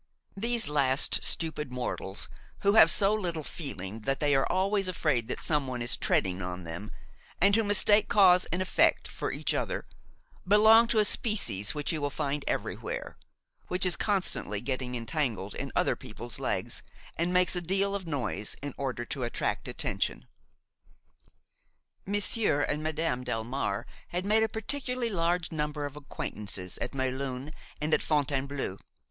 These last, stupid mortals who have so little feeling that they are always afraid that some one is treading on them and who mistake cause and effect for each other, belong to a species which you will find everywhere, which is constantly getting entangled in other people's legs and makes a deal of noise in order to attract attention. Monsieur and Madame Delmare had made a particularly large number of acquaintances at Melun and at Fontainebleau.